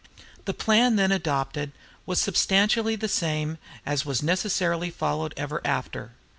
The plan then adopted was substantially the same which was necessarily followed ever after.